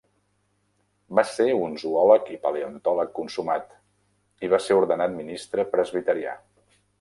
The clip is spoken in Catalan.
Va ser un zoòleg i paleontòleg consumat, i va ser ordenat ministre presbiterià.